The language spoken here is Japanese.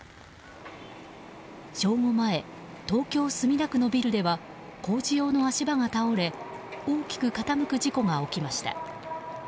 正午前、東京・墨田区のビルでは工事用の足場が倒れ大きく傾く事故が起きました。